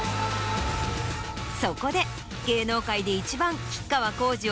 そこで芸能界で１番吉川晃司を知る